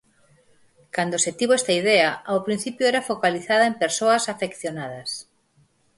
Cando se tivo esta idea, ao principio era focalizada en persoas afeccionadas.